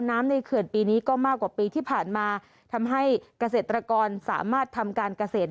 ในเขื่อนปีนี้ก็มากกว่าปีที่ผ่านมาทำให้เกษตรกรสามารถทำการเกษตร